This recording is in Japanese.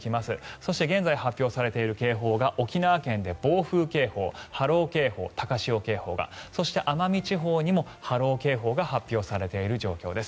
そして現在、発表されている警報が沖縄県で暴風警報、波浪警報、高潮警報がそして、奄美地方にも波浪警報が発表されている状況です。